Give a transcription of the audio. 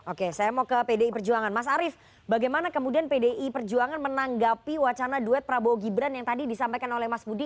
oke saya mau ke pdi perjuangan mas arief bagaimana kemudian pdi perjuangan menanggapi wacana duet prabowo gibran yang tadi disampaikan oleh mas budi